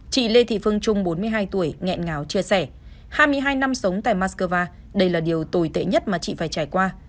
chị lê thị phương trung bốn mươi hai tuổi nghẹn ngáo chia sẻ hai mươi hai năm sống tại moscow đây là điều tồi tệ nhất mà chị phải trải qua